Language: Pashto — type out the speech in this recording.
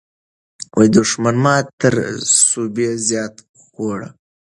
دښمن ماته تر سوبې زیاته خوړه.